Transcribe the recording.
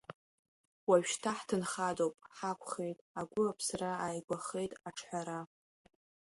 Уажәшьҭа хҭынхадоуп, ҳақәхеит агәы аԥсра ааигәахеит аҿҳәара.